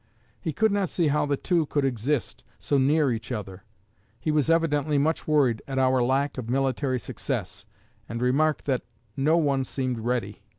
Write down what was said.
He could not see how the two could exist so near each other. He was evidently much worried at our lack of military success, and remarked that 'no one seemed ready.'"